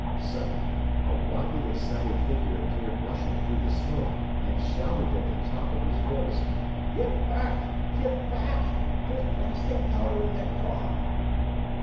Suddenly a wildly excited figure appeared rushing through the smoke, and shouted at the top of his voice, "Get back! Get back! There's blasting powder in that car!"